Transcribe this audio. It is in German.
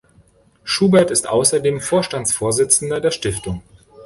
Schubert ist außerdem Vorstandsvorsitzender der Stiftung.